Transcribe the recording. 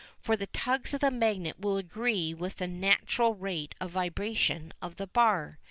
For the tugs of the magnet will agree with the natural rate of vibration of the bar.